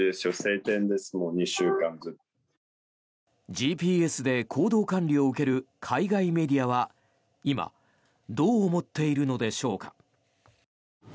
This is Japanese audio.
ＧＰＳで行動管理を受ける海外メディアは今どう思っているのでしょうか。